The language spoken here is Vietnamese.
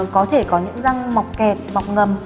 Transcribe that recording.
có thể có những răng mọc kẹt mọc ngầm